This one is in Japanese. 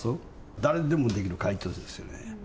誰でもできる回答ですね。